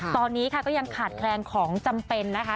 ตอนนี้ค่ะก็ยังขาดแคลนของจำเป็นนะคะ